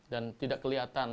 dan tidak kelihatan